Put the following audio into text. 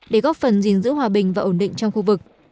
để góp phần gìn giữ hòa bình và ổn định trong khu vực